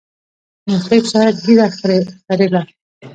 نقیب صاحب ږیره خریله.